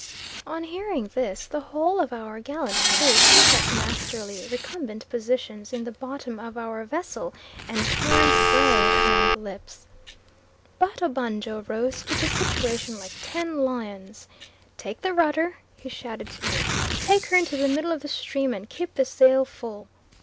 On hearing this, the whole of our gallant crew took up masterly recumbent positions in the bottom of our vessel and turned gray round the lips. But Obanjo rose to the situation like ten lions. "Take the rudder," he shouted to me, "take her into the middle of the stream and keep the sail full."